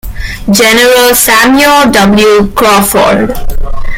General Samuel W. Crawford.